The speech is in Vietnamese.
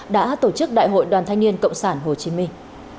đã tổ chức đại hội đoàn thanh niên cộng sản hồ chí minh